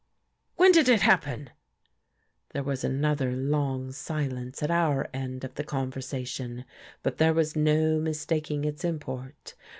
When did it happen? " There was another long silence at our end of the conversation, but there was no mistaking its import.